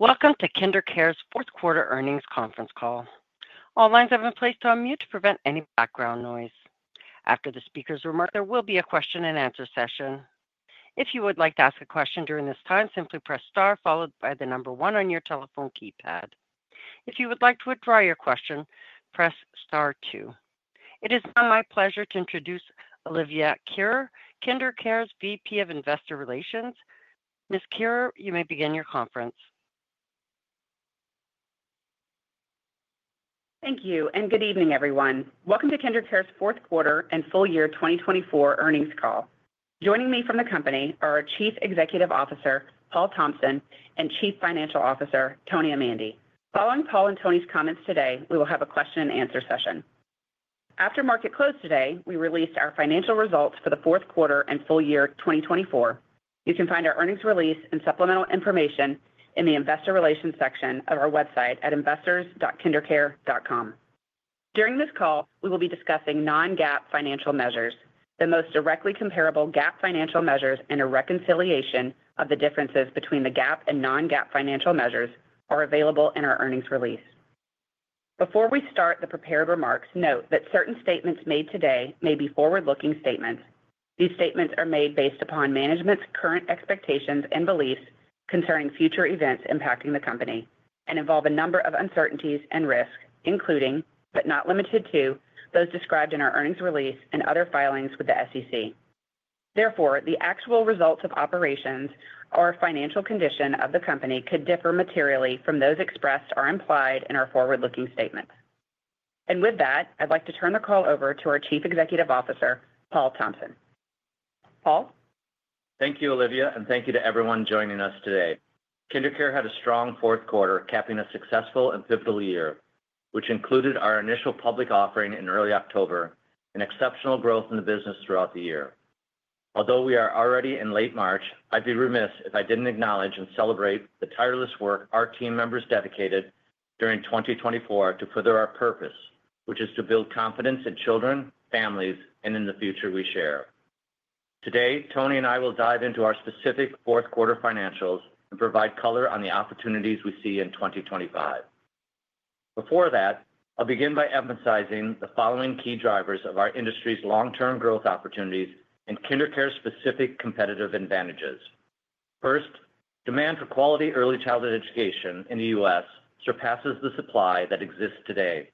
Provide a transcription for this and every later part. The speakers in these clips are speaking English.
Welcome to KinderCare's fourth quarter earnings conference call. All lines have been placed on mute to prevent any background noise. After the speakers are marked, there will be a question and answer session. If you would like to ask a question during this time, simply press star followed by the number one on your telephone keypad. If you would like to withdraw your question, press star two. It is now my pleasure to introduce Olivia Kerr, KinderCare's Vice President of Investor Relations. Ms. Kirr, you may begin your conference. Thank you and good evening, everyone. Welcome to KinderCare's fourth quarter and full year 2024 earnings call. Joining me from the company are our Chief Executive Officer, Paul Thompson, and Chief Financial Officer, Tony Amandi. Following Paul and Tony's comments today, we will have a question and answer session. After market close today, we released our financial results for the fourth quarter and full year 2024. You can find our earnings release and supplemental information in the Investor Relations section of our website at investors.kindercare.com. During this call, we will be discussing non-GAAP financial measures. The most directly comparable GAAP financial measures and a reconciliation of the differences between the GAAP and non-GAAP financial measures are available in our earnings release. Before we start the prepared remarks, note that certain statements made today may be forward-looking statements. These statements are made based upon management's current expectations and beliefs concerning future events impacting the company and involve a number of uncertainties and risks, including, but not limited to, those described in our earnings release and other filings with the SEC. Therefore, the actual results of operations or financial condition of the company could differ materially from those expressed or implied in our forward-looking statements. With that, I'd like to turn the call over to our Chief Executive Officer, Paul Thompson. Paul? Thank you, Olivia, and thank you to everyone joining us today. KinderCare had a strong fourth quarter, capping a successful and pivotal year, which included our initial public offering in early October, and exceptional growth in the business throughout the year. Although we are already in late March, I'd be remiss if I didn't acknowledge and celebrate the tireless work our team members dedicated during 2024 to further our purpose, which is to build confidence in children, families, and in the future we share. Today, Tony and I will dive into our specific fourth quarter financials and provide color on the opportunities we see in 2025. Before that, I'll begin by emphasizing the following key drivers of our industry's long-term growth opportunities and KinderCare-specific competitive advantages. First, demand for quality early childhood education in the U.S. surpasses the supply that exists today.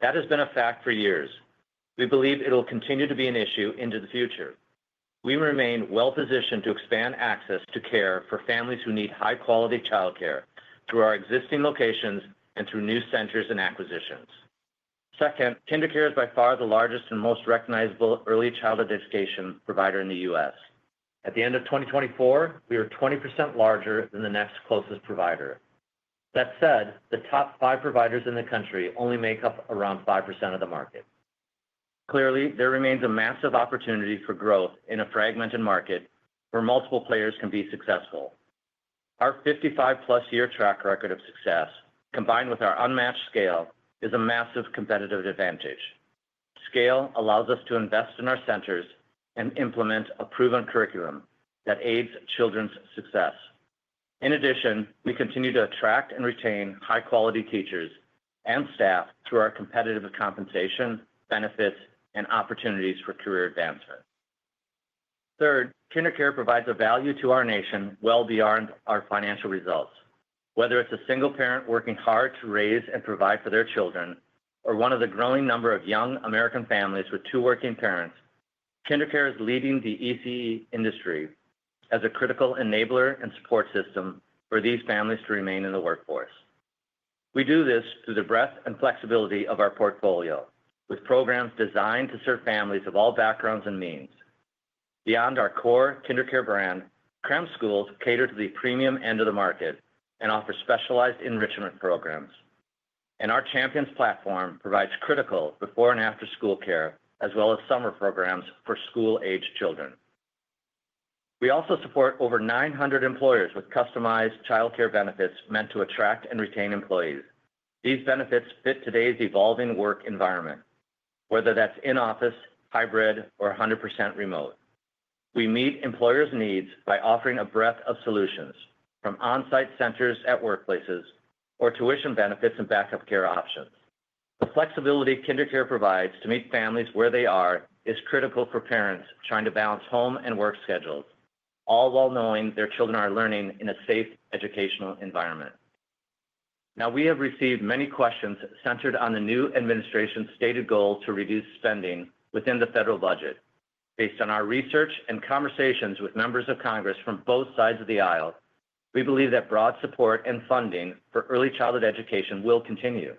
That has been a fact for years. We believe it will continue to be an issue into the future. We remain well-positioned to expand access to care for families who need high-quality childcare through our existing locations and through new centers and acquisitions. Second, KinderCare is by far the largest and most recognizable early childhood education provider in the U.S. At the end of 2024, we are 20% larger than the next closest provider. That said, the top five providers in the country only make up around 5% of the market. Clearly, there remains a massive opportunity for growth in a fragmented market where multiple players can be successful. Our 55-plus year track record of success, combined with our unmatched scale, is a massive competitive advantage. Scale allows us to invest in our centers and implement a proven curriculum that aids children's success. In addition, we continue to attract and retain high-quality teachers and staff through our competitive compensation, benefits, and opportunities for career advancement. Third, KinderCare provides a value to our nation well beyond our financial results. Whether it's a single parent working hard to raise and provide for their children or one of the growing number of young American families with two working parents, KinderCare is leading the ECE industry as a critical enabler and support system for these families to remain in the workforce. We do this through the breadth and flexibility of our portfolio, with programs designed to serve families of all backgrounds and means. Beyond our core KinderCare brand, Crème schools cater to the premium end of the market and offer specialized enrichment programs. Our Champions platform provides critical before and after-school care, as well as summer programs for school-aged children. We also support over 900 employers with customized childcare benefits meant to attract and retain employees. These benefits fit today's evolving work environment, whether that's in-office, hybrid, or 100% remote. We meet employers' needs by offering a breadth of solutions, from on-site centers at workplaces or tuition benefits and backup care options. The flexibility KinderCare provides to meet families where they are is critical for parents trying to balance home and work schedules, all while knowing their children are learning in a safe educational environment. Now, we have received many questions centered on the new administration's stated goal to reduce spending within the federal budget. Based on our research and conversations with members of Congress from both sides of the aisle, we believe that broad support and funding for early childhood education will continue.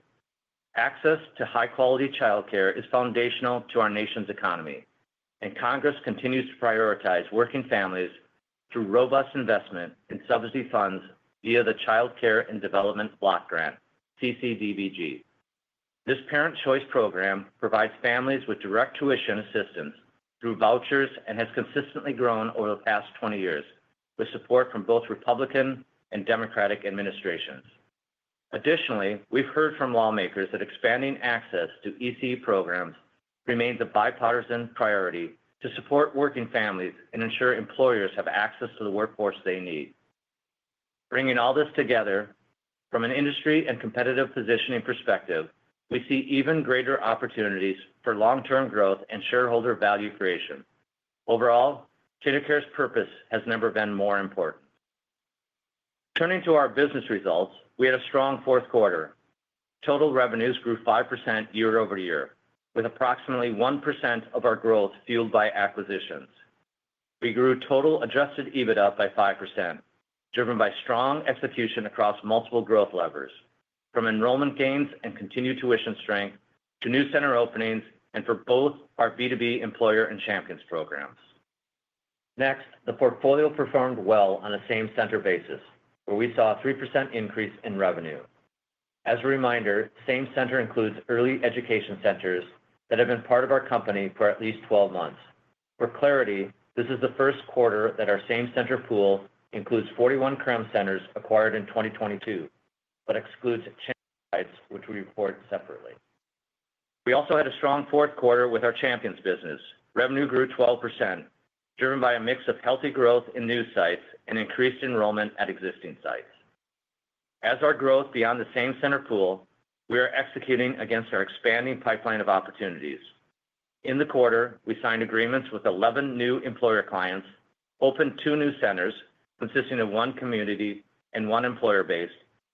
Access to high-quality childcare is foundational to our nation's economy, and Congress continues to prioritize working families through robust investment in subsidy funds via the Child Care and Development Block Grant, CCDBG. This parent choice program provides families with direct tuition assistance through vouchers and has consistently grown over the past 20 years, with support from both Republican and Democratic administrations. Additionally, we've heard from lawmakers that expanding access to ECE programs remains a bipartisan priority to support working families and ensure employers have access to the workforce they need. Bringing all this together, from an industry and competitive positioning perspective, we see even greater opportunities for long-term growth and shareholder value creation. Overall, KinderCare's purpose has never been more important. Turning to our business results, we had a strong fourth quarter. Total revenues grew 5% year over year, with approximately 1% of our growth fueled by acquisitions. We grew total adjusted EBITDA by 5%, driven by strong execution across multiple growth levers, from enrollment gains and continued tuition strength to new center openings and for both our B2B employer and Champions programs. Next, the portfolio performed well on a same-center basis, where we saw a 3% increase in revenue. As a reminder, same-center includes early education centers that have been part of our company for at least 12 months. For clarity, this is the first quarter that our same-center pool includes 41 Crème centers acquired in 2022, but excludes Champions sites, which we report separately. We also had a strong fourth quarter with our Champions business. Revenue grew 12%, driven by a mix of healthy growth in new sites and increased enrollment at existing sites. As our growth beyond the same-center pool, we are executing against our expanding pipeline of opportunities. In the quarter, we signed agreements with 11 new employer clients, opened two new centers consisting of one community and one employer-based,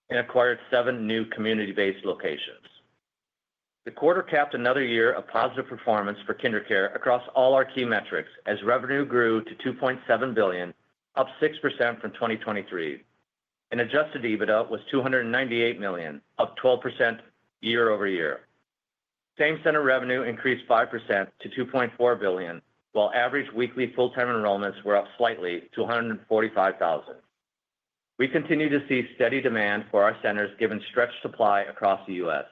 and acquired seven new community-based locations. The quarter capped another year of positive performance for KinderCare across all our key metrics as revenue grew to $2.7 billion, up 6% from 2023. Adjusted EBITDA was $298 million, up 12% year over year. Same-center revenue increased 5% to $2.4 billion, while average weekly full-time enrollments were up slightly to 145,000. We continue to see steady demand for our centers given stretched supply across the U.S.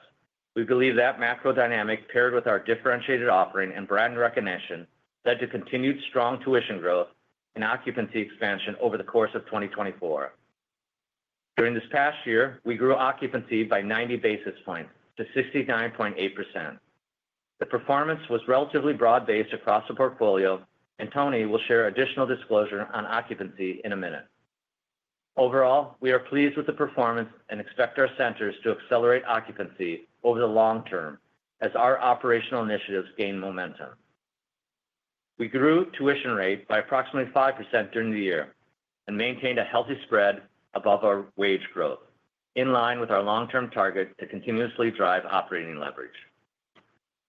We believe that macro dynamic paired with our differentiated offering and brand recognition led to continued strong tuition growth and occupancy expansion over the course of 2024. During this past year, we grew occupancy by 90 basis points to 69.8%. The performance was relatively broad-based across the portfolio, and Tony will share additional disclosure on occupancy in a minute. Overall, we are pleased with the performance and expect our centers to accelerate occupancy over the long term as our operational initiatives gain momentum. We grew tuition rate by approximately 5% during the year and maintained a healthy spread above our wage growth, in line with our long-term target to continuously drive operating leverage.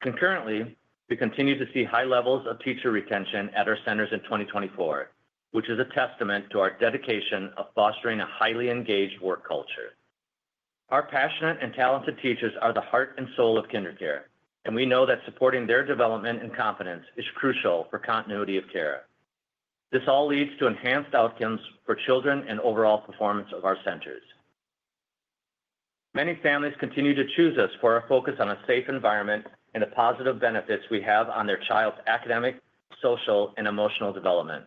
Concurrently, we continue to see high levels of teacher retention at our centers in 2024, which is a testament to our dedication of fostering a highly engaged work culture. Our passionate and talented teachers are the heart and soul of KinderCare, and we know that supporting their development and confidence is crucial for continuity of care. This all leads to enhanced outcomes for children and overall performance of our centers. Many families continue to choose us for our focus on a safe environment and the positive benefits we have on their child's academic, social, and emotional development.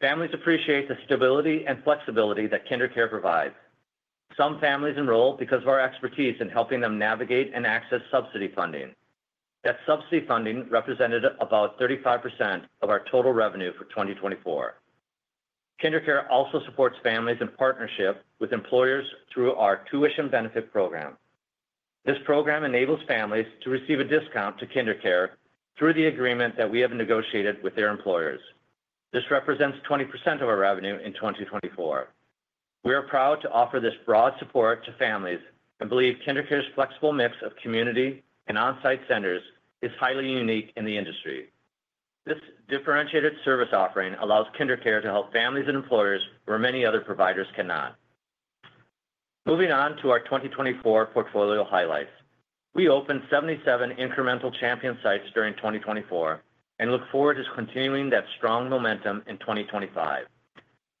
Families appreciate the stability and flexibility that KinderCare provides. Some families enroll because of our expertise in helping them navigate and access subsidy funding. That subsidy funding represented about 35% of our total revenue for 2024. KinderCare also supports families in partnership with employers through our tuition benefit program. This program enables families to receive a discount to KinderCare through the agreement that we have negotiated with their employers. This represents 20% of our revenue in 2024. We are proud to offer this broad support to families and believe KinderCare's flexible mix of community and on-site centers is highly unique in the industry. This differentiated service offering allows KinderCare to help families and employers where many other providers cannot. Moving on to our 2024 portfolio highlights. We opened 77 incremental Champions sites during 2024 and look forward to continuing that strong momentum in 2025.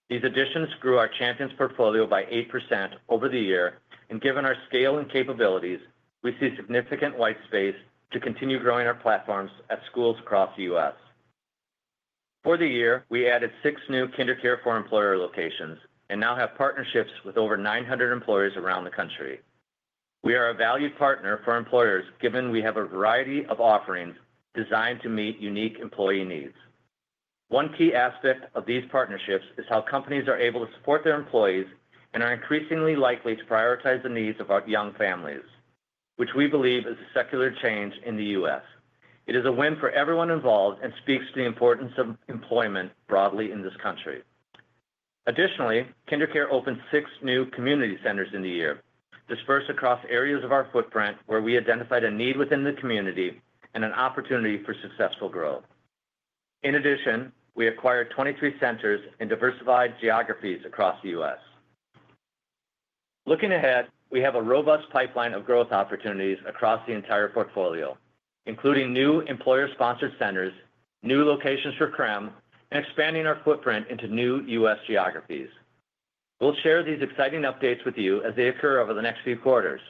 These additions grew our Champions portfolio by 8% over the year, and given our scale and capabilities, we see significant white space to continue growing our platforms at schools across the U.S. For the year, we added six new KinderCare for employer locations and now have partnerships with over 900 employers around the country. We are a valued partner for employers given we have a variety of offerings designed to meet unique employee needs. One key aspect of these partnerships is how companies are able to support their employees and are increasingly likely to prioritize the needs of our young families, which we believe is a secular change in the U.S. It is a win for everyone involved and speaks to the importance of employment broadly in this country. Additionally, KinderCare opened six new community centers in the year, dispersed across areas of our footprint where we identified a need within the community and an opportunity for successful growth. In addition, we acquired 23 centers in diversified geographies across the U.S. Looking ahead, we have a robust pipeline of growth opportunities across the entire portfolio, including new employer-sponsored centers, new locations for Crème, and expanding our footprint into new U.S. geographies. We'll share these exciting updates with you as they occur over the next few quarters.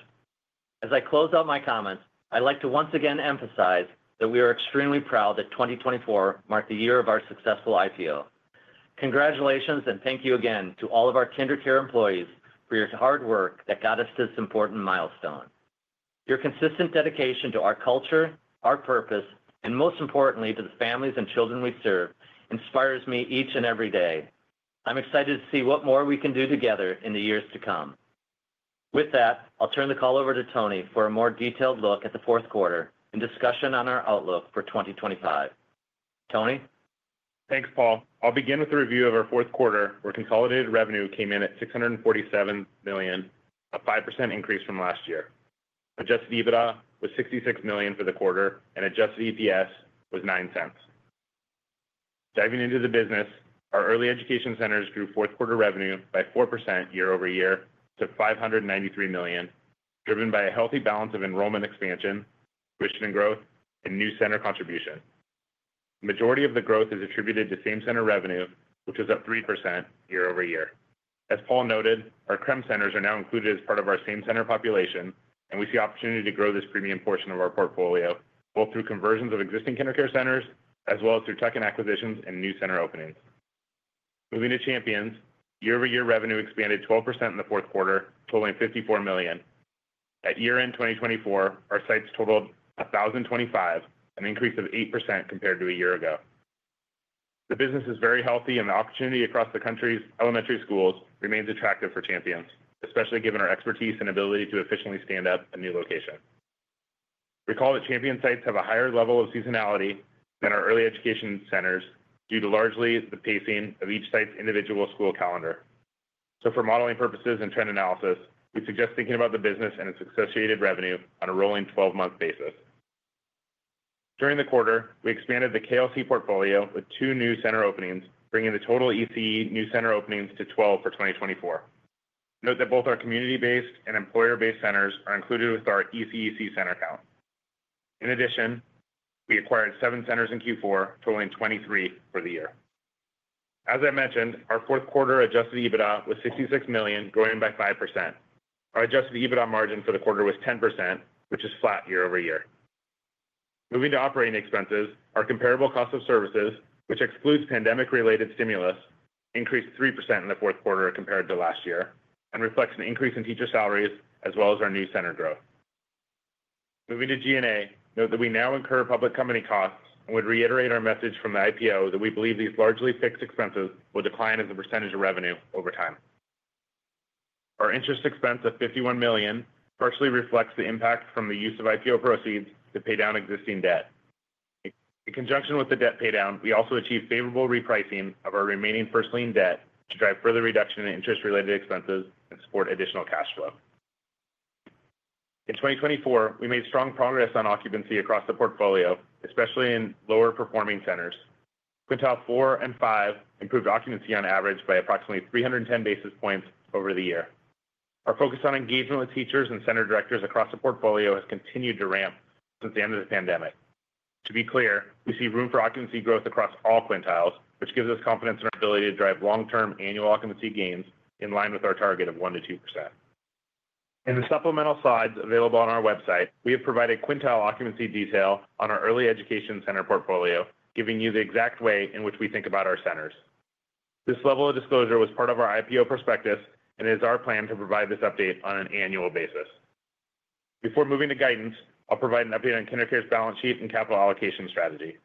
As I close out my comments, I'd like to once again emphasize that we are extremely proud that 2024 marked the year of our successful IPO. Congratulations and thank you again to all of our KinderCare employees for your hard work that got us to this important milestone. Your consistent dedication to our culture, our purpose, and most importantly, to the families and children we serve inspires me each and every day. I'm excited to see what more we can do together in the years to come. With that, I'll turn the call over to Tony for a more detailed look at the fourth quarter and discussion on our outlook for 2025. Tony? Thanks, Paul. I'll begin with a review of our fourth quarter, where consolidated revenue came in at $647 million, a 5% increase from last year. Adjusted EBITDA was $66 million for the quarter, and adjusted EPS was $0.09. Diving into the business, our early education centers grew fourth quarter revenue by 4% year over year to $593 million, driven by a healthy balance of enrollment expansion, tuition and growth, and new center contribution. The majority of the growth is attributed to same-center revenue, which is up 3% year over year. As Paul noted, our KREM centers are now included as part of our same-center population, and we see opportunity to grow this premium portion of our portfolio, both through conversions of existing KinderCare centers as well as through tuck-in acquisitions and new center openings. Moving to Champions, year-over-year revenue expanded 12% in the fourth quarter, totaling $54 million. At year-end 2024, our sites totaled 1,025, an increase of 8% compared to a year ago. The business is very healthy, and the opportunity across the country's elementary schools remains attractive for Champions, especially given our expertise and ability to efficiently stand up a new location. Recall that Champion sites have a higher level of seasonality than our early education centers due to largely the pacing of each site's individual school calendar. For modeling purposes and trend analysis, we suggest thinking about the business and its associated revenue on a rolling 12-month basis. During the quarter, we expanded the KLC portfolio with two new center openings, bringing the total ECE new center openings to 12 for 2024. Note that both our community-based and employer-based centers are included with our ECE center count. In addition, we acquired seven centers in Q4, totaling 23 for the year. As I mentioned, our fourth quarter adjusted EBITDA was $66 million, growing by 5%. Our adjusted EBITDA margin for the quarter was 10%, which is flat year over year. Moving to operating expenses, our comparable cost of services, which excludes pandemic-related stimulus, increased 3% in the fourth quarter compared to last year and reflects an increase in teacher salaries as well as our new center growth. Moving to G&A, note that we now incur public company costs and would reiterate our message from the IPO that we believe these largely fixed expenses will decline as a percentage of revenue over time. Our interest expense of $51 million partially reflects the impact from the use of IPO proceeds to pay down existing debt. In conjunction with the debt paydown, we also achieved favorable repricing of our remaining first-line debt to drive further reduction in interest-related expenses and support additional cash flow. In 2024, we made strong progress on occupancy across the portfolio, especially in lower-performing centers. Quintile 4 and 5 improved occupancy on average by approximately 310 basis points over the year. Our focus on engagement with teachers and center directors across the portfolio has continued to ramp since the end of the pandemic. To be clear, we see room for occupancy growth across all quintiles, which gives us confidence in our ability to drive long-term annual occupancy gains in line with our target of 1%-2%. In the supplemental slides available on our website, we have provided quintile occupancy detail on our early education center portfolio, giving you the exact way in which we think about our centers. This level of disclosure was part of our IPO prospectus and is our plan to provide this update on an annual basis. Before moving to guidance, I'll provide an update on KinderCare's balance sheet and capital allocation strategy.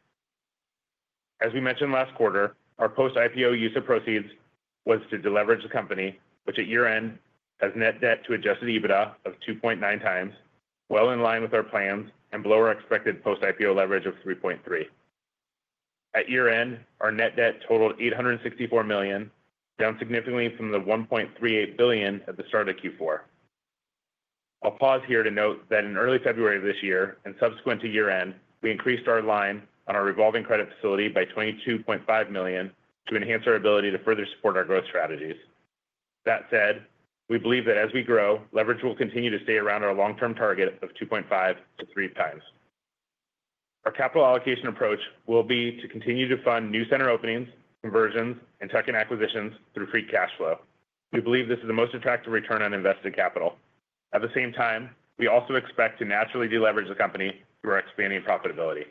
As we mentioned last quarter, our post-IPO use of proceeds was to deleverage the company, which at year-end has net debt to adjusted EBITDA of 2.9 times, well in line with our plans and below our expected post-IPO leverage of 3.3. At year-end, our net debt totaled $864 million, down significantly from the $1.38 billion at the start of Q4. I'll pause here to note that in early February of this year and subsequent to year-end, we increased our line on our revolving credit facility by $22.5 million to enhance our ability to further support our growth strategies. That said, we believe that as we grow, leverage will continue to stay around our long-term target of 2.5-3 times. Our capital allocation approach will be to continue to fund new center openings, conversions, and tech and acquisitions through free cash flow. We believe this is the most attractive return on invested capital. At the same time, we also expect to naturally deleverage the company through our expanding profitability.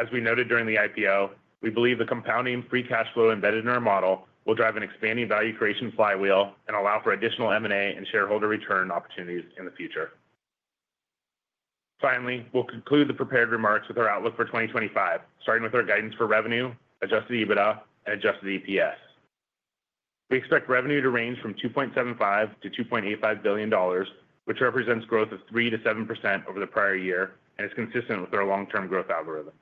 As we noted during the IPO, we believe the compounding free cash flow embedded in our model will drive an expanding value creation flywheel and allow for additional M&A and shareholder return opportunities in the future. Finally, we'll conclude the prepared remarks with our outlook for 2025, starting with our guidance for revenue, adjusted EBITDA, and adjusted EPS. We expect revenue to range from $2.75 billion-$2.85 billion, which represents growth of 3%-7% over the prior year and is consistent with our long-term growth algorithm.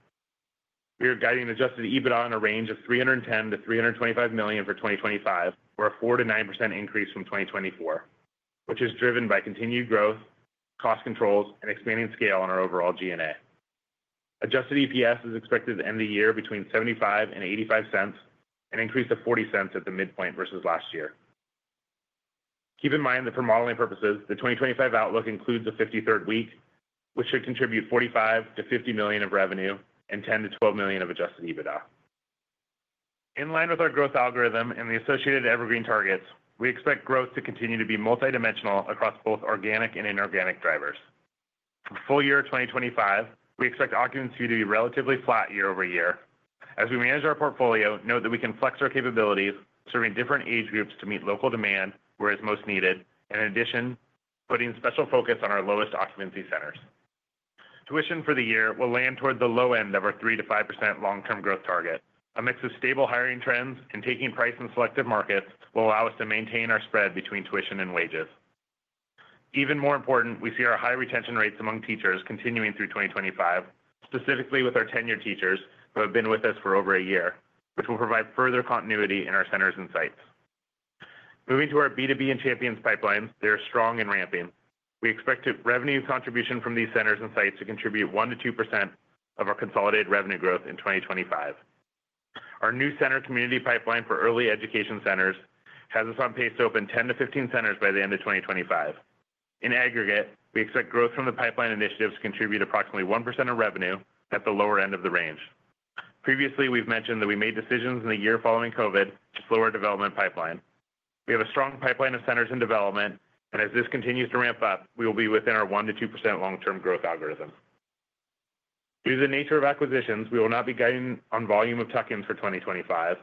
We are guiding adjusted EBITDA in a range of $310 million-$325 million for 2025, or a 4%-9% increase from 2024, which is driven by continued growth, cost controls, and expanding scale on our overall G&A. Adjusted EPS is expected to end the year between $0.75 and $0.85 and increase to $0.40 at the midpoint versus last year. Keep in mind that for modeling purposes, the 2025 outlook includes a 53rd week, which should contribute $45 million-$50 million of revenue and $10 million-$12 million of adjusted EBITDA. In line with our growth algorithm and the associated evergreen targets, we expect growth to continue to be multidimensional across both organic and inorganic drivers. For full year 2025, we expect occupancy to be relatively flat year over year. As we manage our portfolio, note that we can flex our capabilities, serving different age groups to meet local demand where it's most needed, and in addition, putting special focus on our lowest occupancy centers. Tuition for the year will land toward the low end of our 3%-5% long-term growth target. A mix of stable hiring trends and taking price in selective markets will allow us to maintain our spread between tuition and wages. Even more important, we see our high retention rates among teachers continuing through 2025, specifically with our tenured teachers who have been with us for over a year, which will provide further continuity in our centers and sites. Moving to our B2B and Champions pipelines, they are strong and ramping. We expect revenue contribution from these centers and sites to contribute 1%-2% of our consolidated revenue growth in 2025. Our new center community pipeline for early education centers has us on pace to open 10-15 centers by the end of 2025. In aggregate, we expect growth from the pipeline initiatives to contribute approximately 1% of revenue at the lower end of the range. Previously, we've mentioned that we made decisions in the year following COVID to slow our development pipeline. We have a strong pipeline of centers in development, and as this continues to ramp up, we will be within our 1%-2% long-term growth algorithm. Due to the nature of acquisitions, we will not be guiding on volume of tuck-ins for 2025.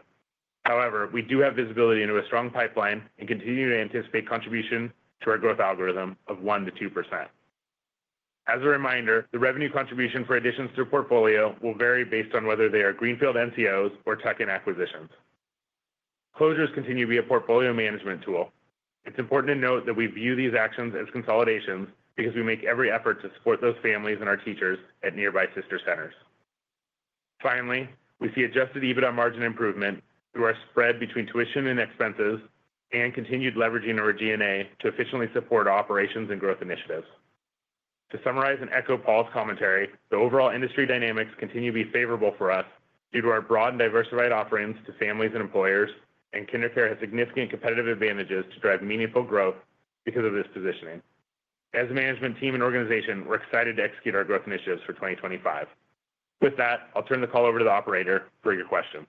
However, we do have visibility into a strong pipeline and continue to anticipate contribution to our growth algorithm of 1%-2%. As a reminder, the revenue contribution for additions to the portfolio will vary based on whether they are Greenfield NCOs or tech and acquisitions. Closures continue to be a portfolio management tool. It is important to note that we view these actions as consolidations because we make every effort to support those families and our teachers at nearby sister centers. Finally, we see adjusted EBITDA margin improvement through our spread between tuition and expenses and continued leveraging of our G&A to efficiently support operations and growth initiatives. To summarize and echo Paul's commentary, the overall industry dynamics continue to be favorable for us due to our broad and diversified offerings to families and employers, and KinderCare has significant competitive advantages to drive meaningful growth because of this positioning. As a management team and organization, we are excited to execute our growth initiatives for 2025. With that, I'll turn the call over to the operator for your questions.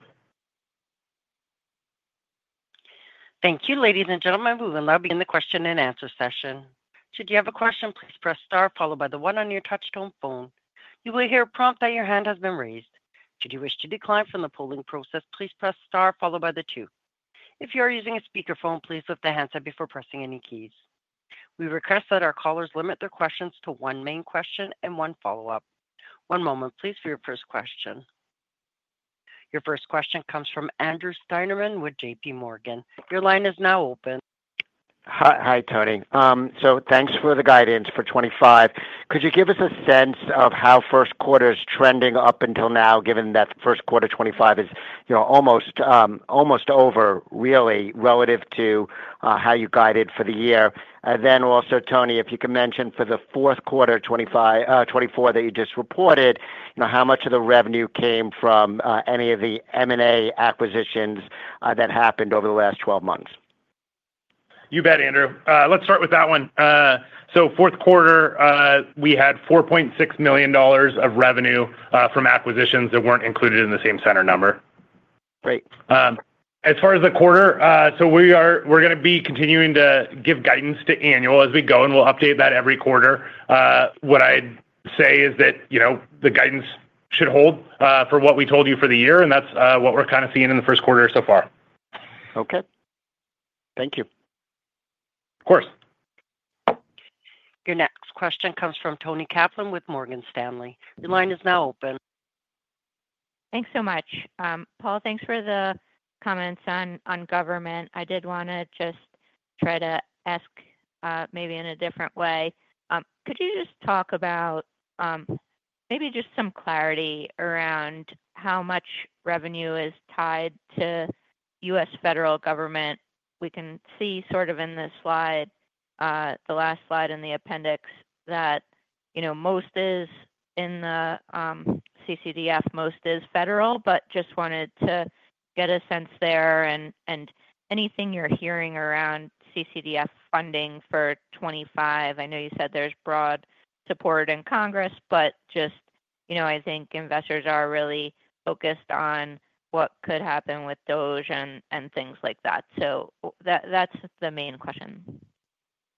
Thank you, ladies and gentlemen. We will now begin the question and answer session. Should you have a question, please press star followed by the one on your touch-tone phone. You will hear a prompt that your hand has been raised. Should you wish to decline from the polling process, please press star followed by the two. If you are using a speakerphone, please lift the handset before pressing any keys. We request that our callers limit their questions to one main question and one follow-up. One moment, please, for your first question. Your first question comes from Andrew Steinerman with JP Morgan. Your line is now open. Hi, Tony. Thanks for the guidance for 2025. Could you give us a sense of how first quarter is trending up until now, given that first quarter 2025 is almost over, really, relative to how you guided for the year? Also, Tony, if you can mention for the fourth quarter 2024 that you just reported, how much of the revenue came from any of the M&A acquisitions that happened over the last 12 months? You bet, Andrew. Let's start with that one. Fourth quarter, we had $4.6 million of revenue from acquisitions that were not included in the same center number. Great. As far as the quarter, we are going to be continuing to give guidance to annual as we go, and we will update that every quarter. What I'd say is that the guidance should hold for what we told you for the year, and that's what we're kind of seeing in the first quarter so far. Okay. Thank you. Of course. Your next question comes from Tony Kaplan with Morgan Stanley. Your line is now open. Thanks so much. Paul, thanks for the comments on government. I did want to just try to ask maybe in a different way. Could you just talk about maybe just some clarity around how much revenue is tied to U.S. federal government? We can see sort of in this slide, the last slide in the appendix, that most is in the CCDF, most is federal, but just wanted to get a sense there and anything you're hearing around CCDF funding for 2025. I know you said there's broad support in Congress, but just I think investors are really focused on what could happen with CCDBG and things like that. That's the main question.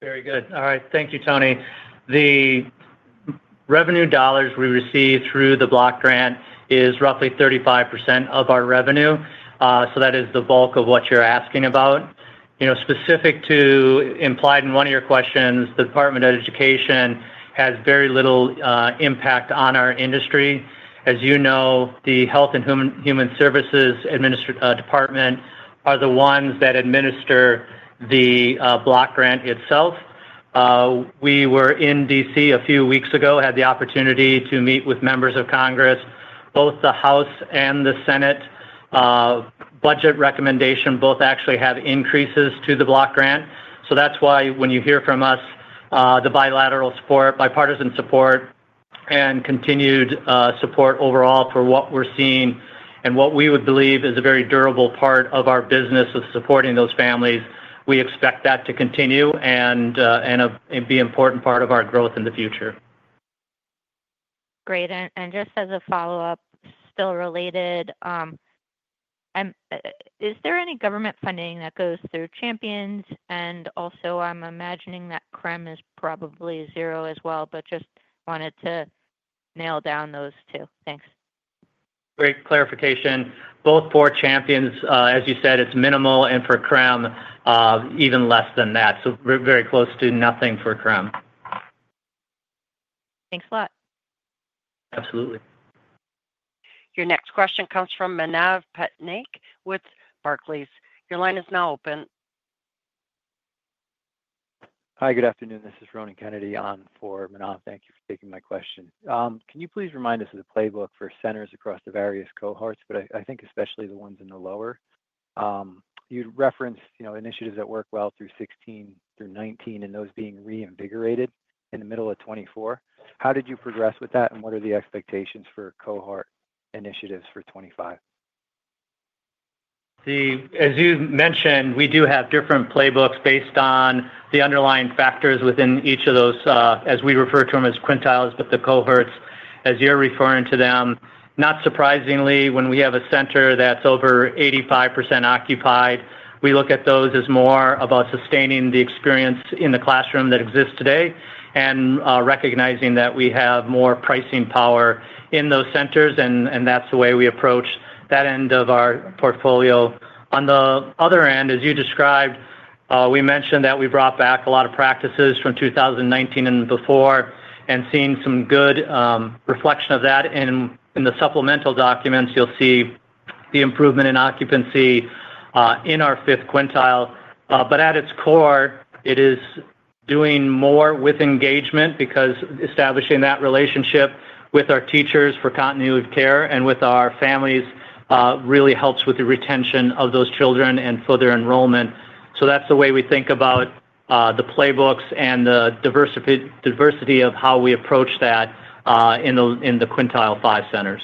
Very good. All right. Thank you, Tony. The revenue dollars we receive through the block grant is roughly 35% of our revenue. That is the bulk of what you're asking about. Specific to implied in one of your questions, the Department of Education has very little impact on our industry. As you know, the Health and Human Services Department are the ones that administer the block grant itself. We were in D.C. a few weeks ago, had the opportunity to meet with members of Congress, both the House and the Senate. Budget recommendation both actually have increases to the block grant. That's why when you hear from us, the bilateral support, bipartisan support, and continued support overall for what we're seeing and what we would believe is a very durable part of our business of supporting those families, we expect that to continue and be an important part of our growth in the future. Great. Just as a follow-up, still related, is there any government funding that goes through Champions? I'm imagining that KREM is probably zero as well, but just wanted to nail down those two. Thanks. Great clarification. Both for Champions, as you said, it's minimal, and for Crème, even less than that. Very close to nothing for Crème. Thanks a lot. Absolutely. Your next question comes from Manav Patnaik with Barclays. Your line is now open. Hi, good afternoon. This is Ronan Kennedy on for Manav. Thank you for taking my question. Can you please remind us of the playbook for centers across the various cohorts, but I think especially the ones in the lower? You'd referenced initiatives that work well through 2016 through 2019 and those being reinvigorated in the middle of 2024. How did you progress with that, and what are the expectations for cohort initiatives for 2025? See, as you mentioned, we do have different playbooks based on the underlying factors within each of those, as we refer to them as quintiles, but the cohorts, as you're referring to them. Not surprisingly, when we have a center that's over 85% occupied, we look at those as more about sustaining the experience in the classroom that exists today and recognizing that we have more pricing power in those centers, and that's the way we approach that end of our portfolio. On the other end, as you described, we mentioned that we brought back a lot of practices from 2019 and before and seeing some good reflection of that. In the supplemental documents, you'll see the improvement in occupancy in our fifth quintile. At its core, it is doing more with engagement because establishing that relationship with our teachers for continued care and with our families really helps with the retention of those children and further enrollment. That's the way we think about the playbooks and the diversity of how we approach that in the quintile five centers.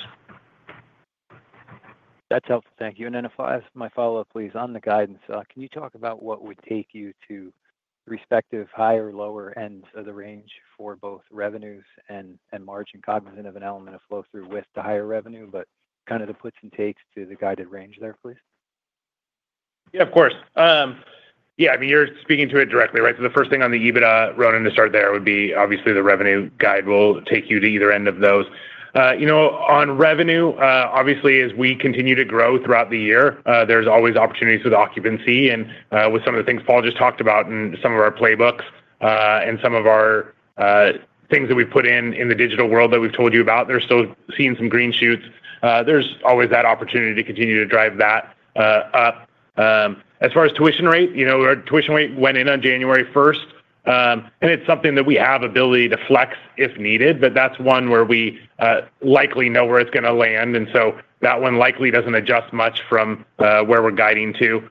That's helpful. Thank you. If I ask my follow-up, please, on the guidance, can you talk about what would take you to the respective higher or lower ends of the range for both revenues and margin cognizant of an element of flow-through with the higher revenue, but kind of the puts and takes to the guided range there, please? Yeah, of course. Yeah, I mean, you're speaking to it directly, right? The first thing on the EBITDA, Ronan, to start there would be obviously the revenue guide will take you to either end of those. On revenue, obviously, as we continue to grow throughout the year, there's always opportunities with occupancy and with some of the things Paul just talked about and some of our playbooks and some of our things that we've put in the digital world that we've told you about, they're still seeing some green shoots. There's always that opportunity to continue to drive that up. As far as tuition rate, our tuition rate went in on January 1, and it's something that we have ability to flex if needed, but that's one where we likely know where it's going to land. That one likely doesn't adjust much from where we're guiding to.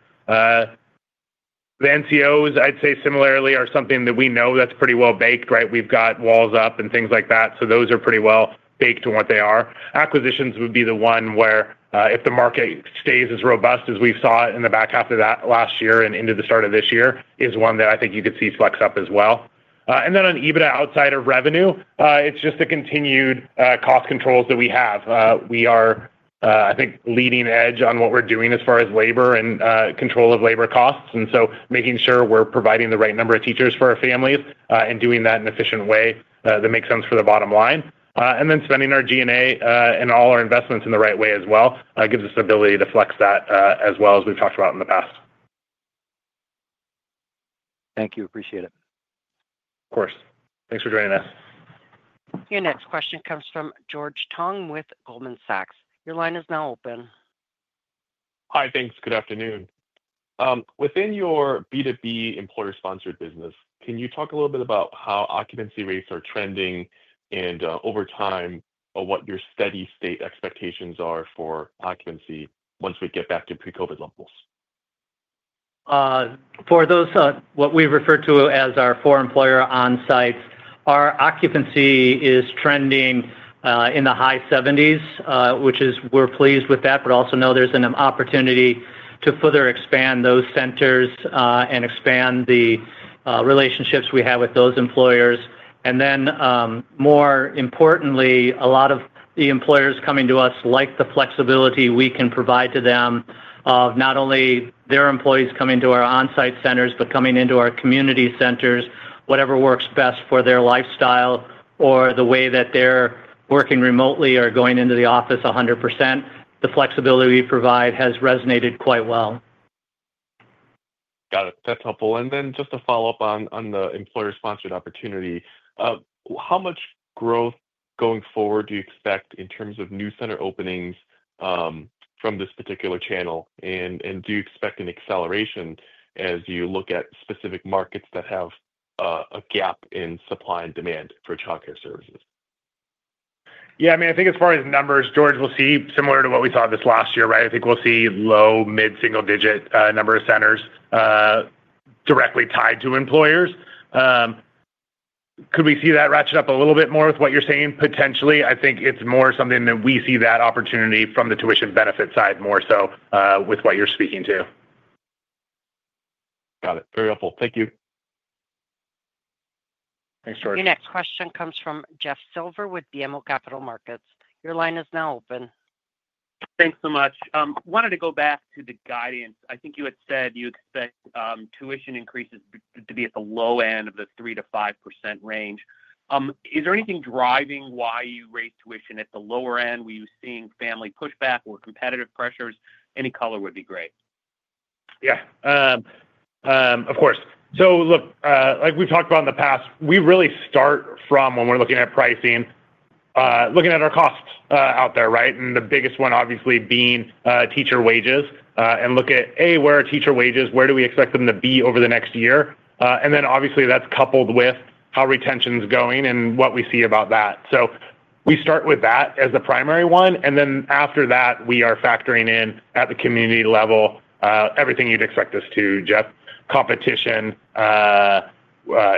The NCOs, I'd say similarly, are something that we know that's pretty well baked, right? We've got walls up and things like that. Those are pretty well baked to what they are. Acquisitions would be the one where if the market stays as robust as we've saw it in the back half of that last year and into the start of this year is one that I think you could see flex up as well. On EBITDA outside of revenue, it's just the continued cost controls that we have. We are, I think, leading edge on what we're doing as far as labor and control of labor costs. Making sure we're providing the right number of teachers for our families and doing that in an efficient way that makes sense for the bottom line. Spending our G&A and all our investments in the right way as well gives us the ability to flex that as well as we've talked about in the past. Thank you. Appreciate it. Of course. Thanks for joining us. Your next question comes from George Tong with Goldman Sachs. Your line is now open. Hi, thanks. Good afternoon. Within your B2B employer-sponsored business, can you talk a little bit about how occupancy rates are trending and over time what your steady-state expectations are for occupancy once we get back to pre-COVID levels? For those what we refer to as our four employer on-sites, our occupancy is trending in the high 70s, which is we're pleased with that, but also know there's an opportunity to further expand those centers and expand the relationships we have with those employers. More importantly, a lot of the employers coming to us like the flexibility we can provide to them of not only their employees coming to our on-site centers, but coming into our community centers, whatever works best for their lifestyle or the way that they're working remotely or going into the office 100%. The flexibility we provide has resonated quite well. Got it. That's helpful. Just to follow up on the employer-sponsored opportunity, how much growth going forward do you expect in terms of new center openings from this particular channel? Do you expect an acceleration as you look at specific markets that have a gap in supply and demand for childcare services? Yeah, I mean, I think as far as numbers, George, we'll see similar to what we saw this last year, right? I think we'll see low, mid-single-digit number of centers directly tied to employers. Could we see that ratchet up a little bit more with what you're saying? Potentially. I think it's more something that we see that opportunity from the tuition benefit side more so with what you're speaking to. Got it. Very helpful. Thank you. Thanks, George. Your next question comes from Jeff Silber with BMO Capital Markets. Your line is now open. Thanks so much. Wanted to go back to the guidance. I think you had said you expect tuition increases to be at the low end of the 3-5% range. Is there anything driving why you raise tuition at the lower end? Were you seeing family pushback or competitive pressures? Any color would be great. Yeah. Of course. Like we've talked about in the past, we really start from when we're looking at pricing, looking at our costs out there, right? The biggest one obviously being teacher wages. Look at, A, where are teacher wages? Where do we expect them to be over the next year? Obviously that's coupled with how retention's going and what we see about that. We start with that as the primary one. After that, we are factoring in at the community level everything you'd expect us to, Jeff, competition,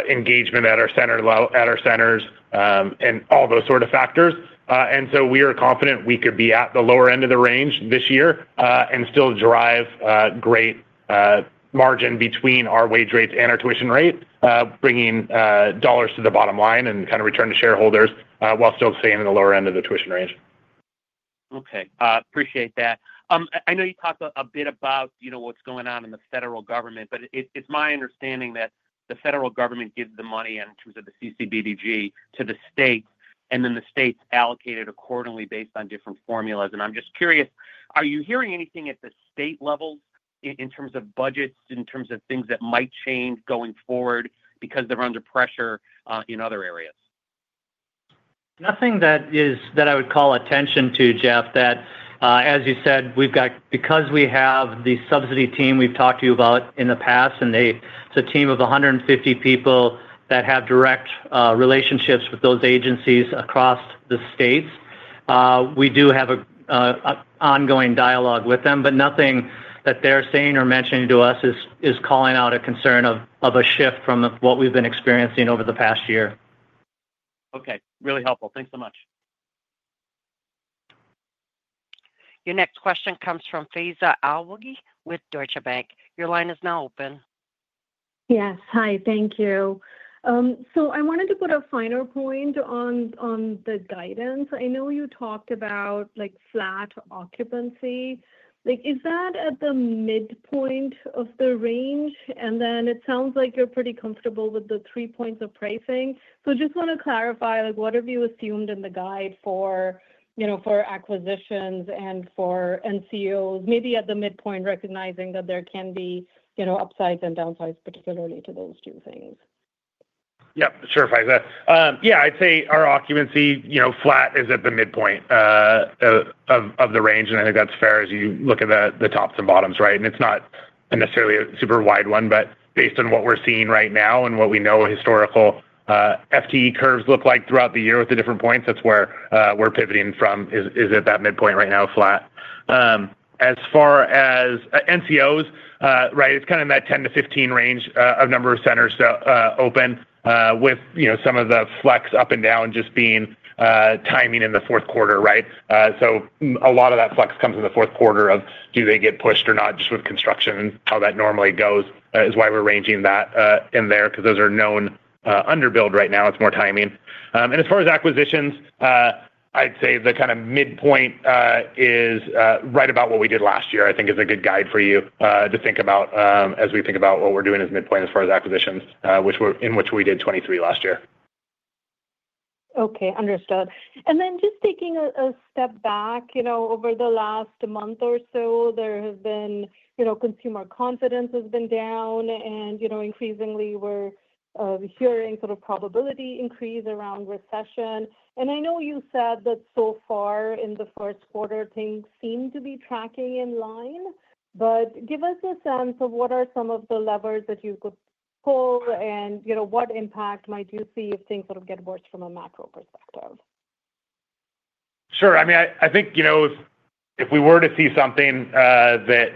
engagement at our centers, and all those sort of factors. We are confident we could be at the lower end of the range this year and still drive great margin between our wage rates and our tuition rate, bringing dollars to the bottom line and kind of return to shareholders while still staying in the lower end of the tuition range. Okay. Appreciate that. I know you talked a bit about what's going on in the federal government, but it's my understanding that the federal government gives the money in terms of the CCDBG to the states, and then the states allocate it accordingly based on different formulas. I'm just curious, are you hearing anything at the state levels in terms of budgets, in terms of things that might change going forward because they're under pressure in other areas? Nothing that I would call attention to, Jeff, that, as you said, because we have the subsidy team we've talked to you about in the past, and it's a team of 150 people that have direct relationships with those agencies across the states. We do have an ongoing dialogue with them, but nothing that they're saying or mentioning to us is calling out a concern of a shift from what we've been experiencing over the past year. Okay. Really helpful. Thanks so much. Your next question comes from Faiza Alwy with Deutsche Bank. Your line is now open. Yes. Hi. Thank you. I wanted to put a final point on the guidance. I know you talked about flat occupancy. Is that at the midpoint of the range? It sounds like you're pretty comfortable with the three points of pricing. Just want to clarify, what have you assumed in the guide for acquisitions and for NCOs, maybe at the midpoint, recognizing that there can be upsides and downsides, particularly to those two things? Yep. Sure, Faisa. Yeah, I'd say our occupancy flat is at the midpoint of the range, and I think that's fair as you look at the tops and bottoms, right? It's not necessarily a super wide one, but based on what we're seeing right now and what we know historical FTE curves look like throughout the year with the different points, that's where we're pivoting from is at that midpoint right now, flat. As far as NCOs, right, it's kind of in that 10-15 range of number of centers open with some of the flex up and down just being timing in the fourth quarter, right? A lot of that flex comes in the fourth quarter of do they get pushed or not just with construction and how that normally goes is why we're ranging that in there because those are known underbuild right now. It's more timing. As far as acquisitions, I'd say the kind of midpoint is right about what we did last year, I think, is a good guide for you to think about as we think about what we're doing as midpoint as far as acquisitions, in which we did 23 last year. Okay. Understood. Just taking a step back, over the last month or so, consumer confidence has been down, and increasingly, we're hearing sort of probability increase around recession. I know you said that so far in the first quarter, things seem to be tracking in line, but give us a sense of what are some of the levers that you could pull and what impact might you see if things sort of get worse from a macro perspective. Sure. I mean, I think if we were to see something that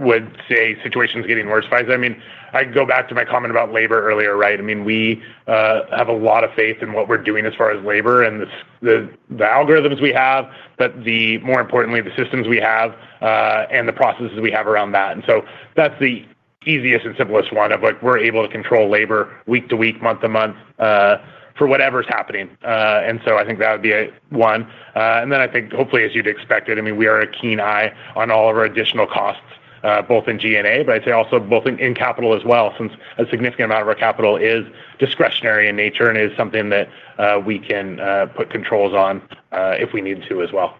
would say situation's getting worse, Faiza, I mean, I'd go back to my comment about labor earlier, right? I mean, we have a lot of faith in what we're doing as far as labor and the algorithms we have, but more importantly, the systems we have and the processes we have around that. That's the easiest and simplest one of we're able to control labor week to week, month to month for whatever's happening. I think that would be one. I think, hopefully, as you'd expected, I mean, we are a keen eye on all of our additional costs, both in G&A, but I'd say also both in capital as well, since a significant amount of our capital is discretionary in nature and is something that we can put controls on if we need to as well.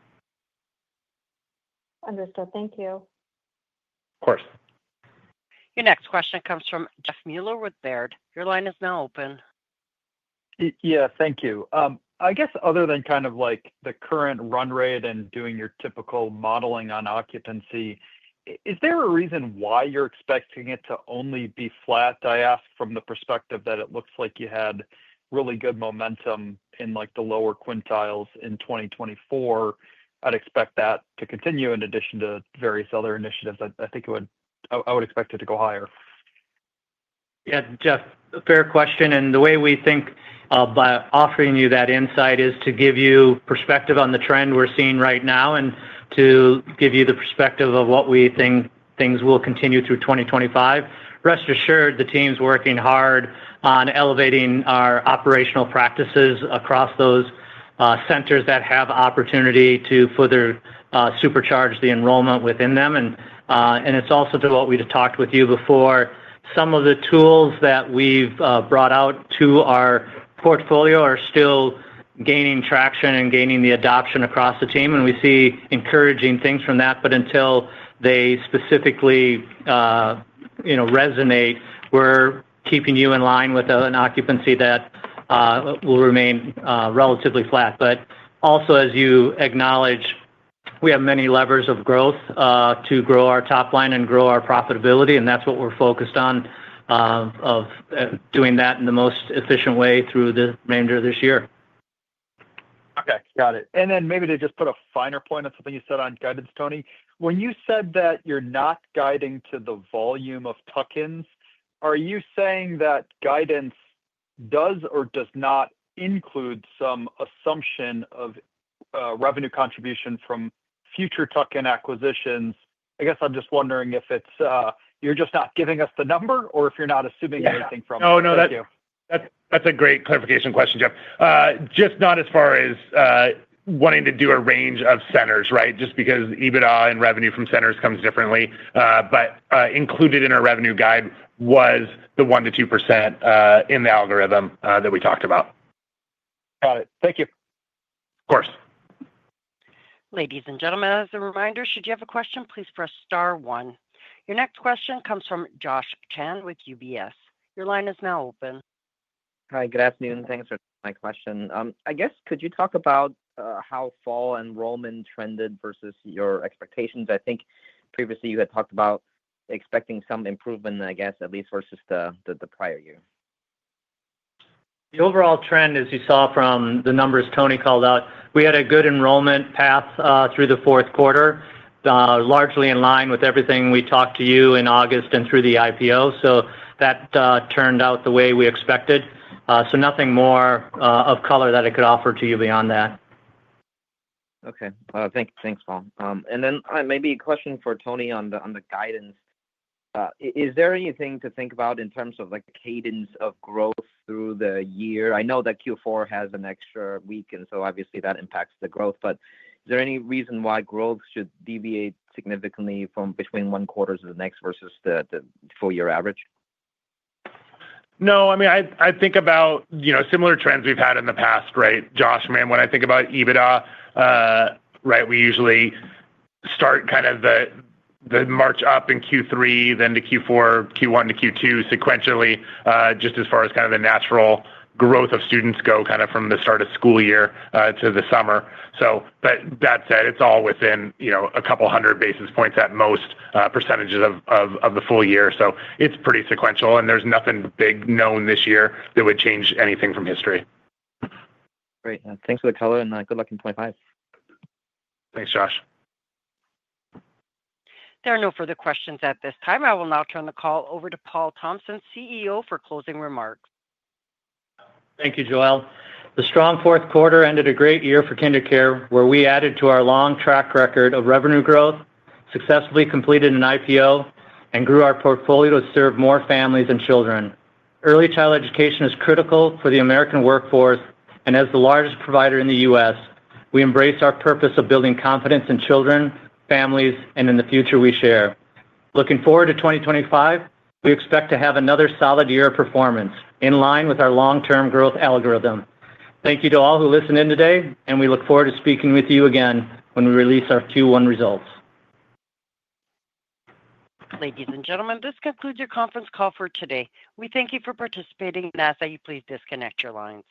Understood. Thank you. Of course. Your next question comes from Jeff Mueller with Baird. Your line is now open. Yeah. Thank you. I guess other than kind of the current run rate and doing your typical modeling on occupancy, is there a reason why you're expecting it to only be flat? I ask from the perspective that it looks like you had really good momentum in the lower quintiles in 2024. I'd expect that to continue in addition to various other initiatives. I think I would expect it to go higher. Yeah, Jeff, fair question. The way we think of offering you that insight is to give you perspective on the trend we're seeing right now and to give you the perspective of what we think things will continue through 2025. Rest assured, the team's working hard on elevating our operational practices across those centers that have opportunity to further supercharge the enrollment within them. It is also to what we just talked with you before. Some of the tools that we've brought out to our portfolio are still gaining traction and gaining the adoption across the team, and we see encouraging things from that. Until they specifically resonate, we're keeping you in line with an occupancy that will remain relatively flat. Also, as you acknowledge, we have many levers of growth to grow our top line and grow our profitability, and that's what we're focused on, doing that in the most efficient way through the remainder of this year. Okay. Got it. Maybe to just put a finer point on something you said on guidance, Tony, when you said that you're not guiding to the volume of tuck-ins, are you saying that guidance does or does not include some assumption of revenue contribution from future tuck-in acquisitions? I guess I'm just wondering if you're just not giving us the number or if you're not assuming anything from it. No, no, that's a great clarification question, Jeff. Just not as far as wanting to do a range of centers, right? Just because EBITDA and revenue from centers comes differently. Included in our revenue guide was the 1-2% in the algorithm that we talked about. Got it. Thank you. Of course. Ladies and gentlemen, as a reminder, should you have a question, please press star one. Your next question comes from Josh Chan with UBS. Your line is now open. Hi. Good afternoon. Thanks for my question. I guess could you talk about how fall enrollment trended versus your expectations? I think previously you had talked about expecting some improvement, I guess, at least versus the prior year. The overall trend, as you saw from the numbers Tony called out, we had a good enrollment path through the fourth quarter, largely in line with everything we talked to you in August and through the IPO. That turned out the way we expected. Nothing more of color that I could offer to you beyond that. Okay. Thanks, Paul. And then maybe a question for Tony on the guidance. Is there anything to think about in terms of cadence of growth through the year? I know that Q4 has an extra week, and so obviously that impacts the growth, but is there any reason why growth should deviate significantly between one quarter to the next versus the full-year average? No. I mean, I think about similar trends we've had in the past, right, Josh? I mean, when I think about EBITDA, right, we usually start kind of the march up in Q3, then to Q4, Q1 to Q2 sequentially, just as far as kind of the natural growth of students go kind of from the start of school year to the summer. That said, it's all within a couple hundred basis points at most percentages of the full year. It's pretty sequential, and there's nothing big known this year that would change anything from history. Great. Thanks for the color, and good luck in 2025. Thanks, Josh. There are no further questions at this time. I will now turn the call over to Paul Thompson, CEO, for closing remarks. Thank you, Joel. The strong fourth quarter ended a great year for KinderCare, where we added to our long track record of revenue growth, successfully completed an IPO, and grew our portfolio to serve more families and children. Early child education is critical for the American workforce, and as the largest provider in the U.S., we embrace our purpose of building confidence in children, families, and in the future we share. Looking forward to 2025, we expect to have another solid year of performance in line with our long-term growth algorithm. Thank you to all who listened in today, and we look forward to speaking with you again when we release our Q1 results. Ladies and gentlemen, this concludes your conference call for today. We thank you for participating. Now, as I say, please disconnect your lines.